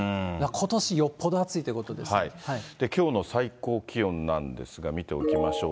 ことし、よっぽど暑いってこときょうの最高気温なんですが、見ておきましょう。